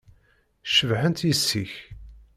Cebḥent yessi-k.